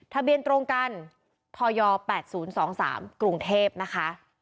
ทะเบียนตรงกันทย๘๐๒๓กรุงเทพนะคะ